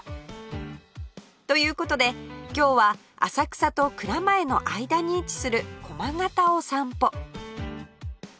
という事で今日は浅草と蔵前の間に位置する駒形を散歩